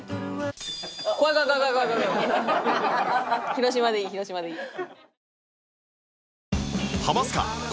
広島でいい広島でいい。